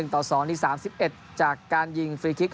ต่อ๒ที่๓๑จากการยิงฟรีคลิก